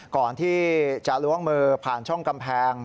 ก่อนที่จะล้วงมือผ่านช่องกำแพง